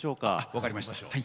分かりました。